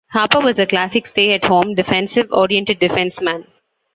Harper was a classic stay at home defensive oriented defenceman.